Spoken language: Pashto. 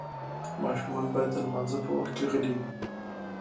ماشومان باید د لمانځه په وخت کې غلي وي.